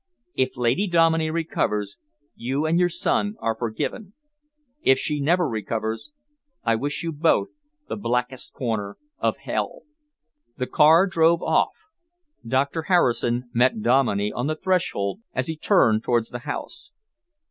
"If Lady Dominey recovers, you and your son are forgiven. If she never recovers, I wish you both the blackest corner of hell." The car drove off. Doctor Harrison met Dominey on the threshold as he turned towards the house.